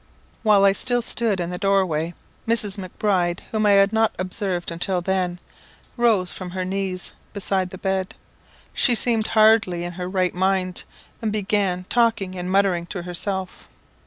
While I still stood in the door way, Mrs. Macbride, whom I had not observed until then, rose from her knees beside the bed. She seemed hardly in her right mind, and began talking and muttering to herself.